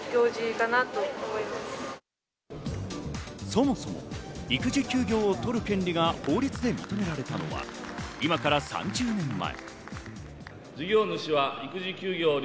そもそも育児休業を取る権利が法律で認められたのは、今から３０年前。